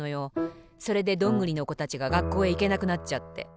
それでどんぐりのこたちががっこうへいけなくなっちゃって。